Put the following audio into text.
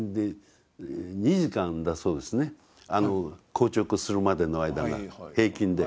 あの硬直するまでの間が平均で。